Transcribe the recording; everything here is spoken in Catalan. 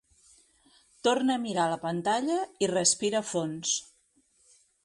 Torna a mirar la pantalla i respira fons.